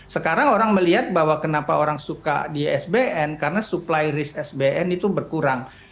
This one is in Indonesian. sekarang orang melihat bahwa kenapa orang suka di sbn karena supply risk sbn itu berkurang